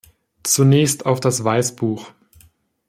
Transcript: Zunächst auf das Weißbuch.